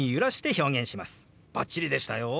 バッチリでしたよ！